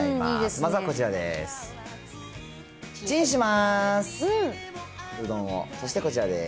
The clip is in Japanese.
まずはこちらです。